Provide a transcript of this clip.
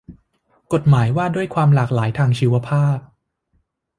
กฎหมายว่าด้วยความหลากหลายทางชีวภาพ